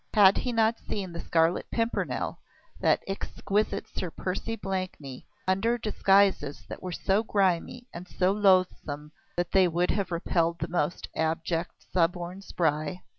Had he not seen the Scarlet Pimpernel, that exquisite Sir Percy Blakeney, under disguises that were so grimy and so loathsome that they would have repelled the most abject, suborned spy?